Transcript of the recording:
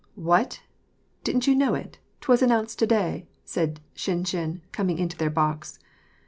"What! didn't you know it? 'Twas announced to^y," said Shinshin, coming into their box.